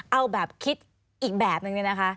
เอาแบบคิดอีกแบบนึงเนี่ยนะคะ